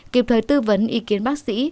kịp thời tư vấn ý kiến bác sĩ